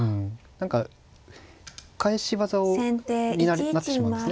何か返し技になってしまうんですね。